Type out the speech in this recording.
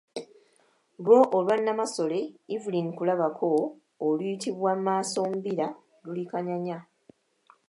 Lwo olwa Nnamasole Evelyn Kulabako oluyitibwa Maasombira luli Kanyanya.